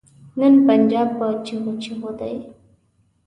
نن پنجاب په چيغو چيغو دی.